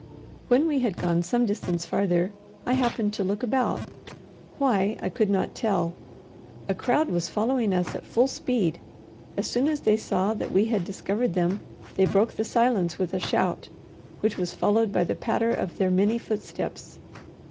When we had gone some distance farther, I happened to look about why, I could not tell. A crowd was following us at full speed. As soon as they saw that we had discovered them, they broke the silence with a shout, which was followed by the patter of their many footsteps.